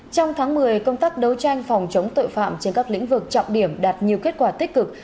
trong tháng một mươi công tác đấu tranh phòng chống tội phạm trên các lĩnh vực trọng điểm đạt nhiều kết quả tích cực